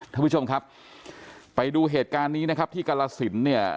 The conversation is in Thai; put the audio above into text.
ท่านผู้ชมครับไปดูเหตุการณ์นี้นะครับที่กรสินเนี่ย